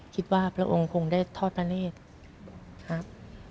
คิดว่าพระองค์คงได้ทอดประเทศครับ